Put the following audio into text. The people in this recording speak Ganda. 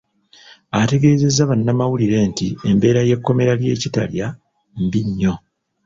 Ategeezezza bannamawulire nti embeera y’ekkomera ly’e Kitalya mbi nnyo.